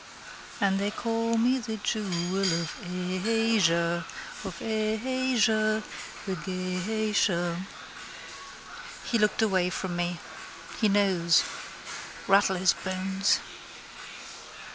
And they call me the jewel of Asia, Of Asia, The geisha. He looked away from me. He knows. Rattle his bones.